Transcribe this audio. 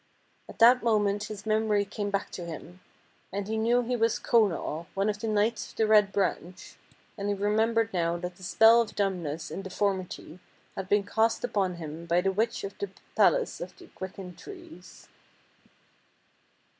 At that moment his memory came back to him, and he knew he was Conal, one of the Knights of the Red Branch, and he remembered now that the spell of dumbness and deformity had been cast upon him by the Witch of the Pal ace of the Quicken Trees.